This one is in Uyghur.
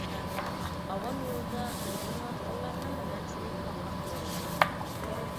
ئاۋام يولىدا ئىزدىنىۋاتقانلارنىڭ مەنزىلى پارلاق بولغاي!